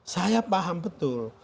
saya paham betul